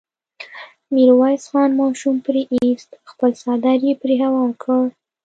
ميرويس خان ماشوم پرې ايست، خپل څادر يې پرې هوار کړ.